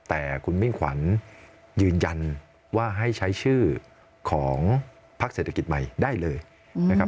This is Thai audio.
แต่คุณมิ่งขวัญยืนยันว่าให้ใช้ชื่อของพักเศรษฐกิจใหม่ได้เลยนะครับ